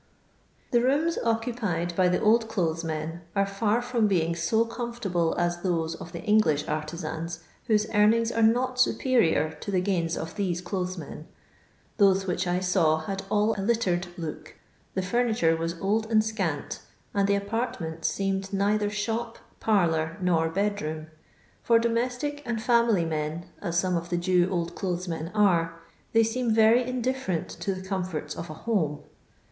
The rooms occupied by the ohUlothes men are fiir from being so comfivtable as those of the Eng lish artisans whose earnings are not superior to the gains of these dothes men. Those which I saw had all a littered look ; the furniture was old and scant, and the apartment seemed neither shop, parlour, nor bed room. For domestic and &mily men, as some of the Jew old clothes men are, they seem very indifferent to the comforts of a home.